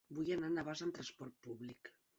Vull anar a Navàs amb trasport públic.